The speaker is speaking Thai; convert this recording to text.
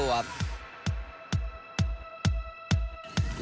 มจงเล่นให้เขาเล่น